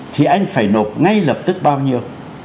thì anh phải nộp ngay lập tức bao nhiêu